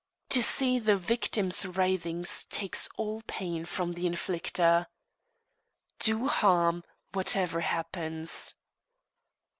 To see the victim's writhings takes all pain from the inflicter. Do harm, whatever happens.